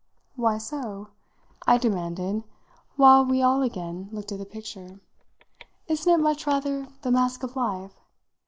"Why so?" I demanded while we all again looked at the picture. "Isn't it much rather the Mask of Life?